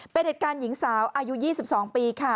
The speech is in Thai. เป็นเหตุการณ์หญิงสาวอายุ๒๒ปีค่ะ